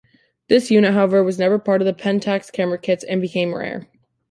This unit, however, was never part of the Pentax camera kits and became rare.